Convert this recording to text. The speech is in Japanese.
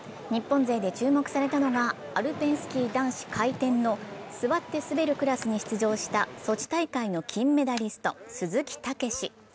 日本勢で注目されたのがアルペンスキー男子回転の座って滑るクラスに出場したソチ大会の金メダリスト・鈴木猛史。